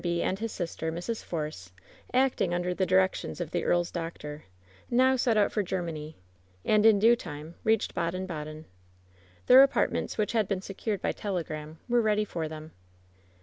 ]by and his sister, Mrs. Force, act ing under the directions of the earl's doctor, now set out for Germany, and in due time reached Baden Baden. Their apartments, which had been secured by telegram, were ready for them.